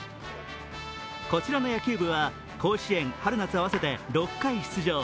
こちらの野球部は甲子園、春・夏合わせて６回出場。